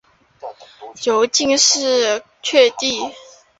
由进士擢第。